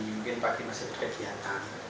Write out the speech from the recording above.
mungkin pagi masih berkegiatan